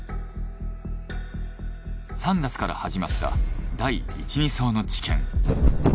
３月から始まった第１／２相の治験。